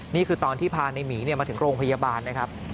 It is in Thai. นี่คือตอนที่พาในหมีมาถึงโรงพยาบาลนะครับ